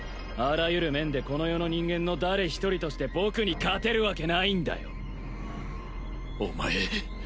あらゆる面でこの世の人間の誰一人として僕に勝てるわけないんだよお前